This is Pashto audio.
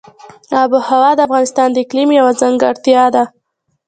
آب وهوا د افغانستان د اقلیم یوه ځانګړتیا ده.